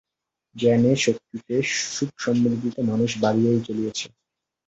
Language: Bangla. জ্ঞানে, শক্তিতে, সুখ-সমৃদ্ধিতে মানুষ বাড়িয়াই চলিয়াছে।